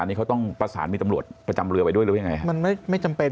อันนี้เขาต้องประสานมีตำรวจประจำเรือไปด้วยหรือยังไงมันไม่ไม่จำเป็น